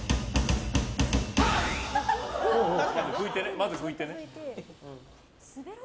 まず拭いてね。